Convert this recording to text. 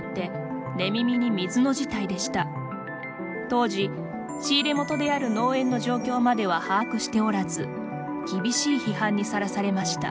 当時仕入れ元である農園の状況までは把握しておらず厳しい批判にさらされました。